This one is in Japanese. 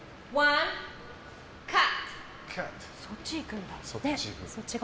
そっちいくんだ。